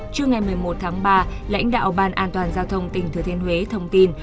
trước ngày một mươi một tháng ba lãnh đạo ban an toàn giao thông tỉnh thừa thiên huế thông tin